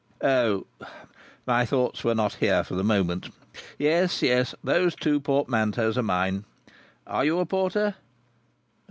"O! My thoughts were not here for the moment. Yes. Yes. Those two portmanteaus are mine. Are you a Porter?"